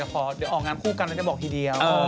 อยากจะบอกเดี๋ยวออกงานผู้กำหนดจะบอกทีเดียว